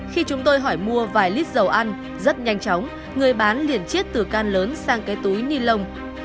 khi chúng tôi hỏi mua vài lít dầu ăn rất nhanh chóng người bán liền chiết từ can lớn sang cái túi ni lông